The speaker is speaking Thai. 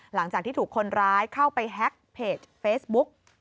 หลังจากที่ถูกคนร้ายเข้าไปแฮ็กเพจเฟซบุ๊ก